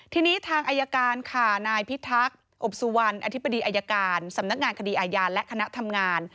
ทีนี้ทางอายการค่ะนายพิทักษ์อบสุวรรณอธิบดีอายการสำนักงานคดีอาญาและคณะทำงาน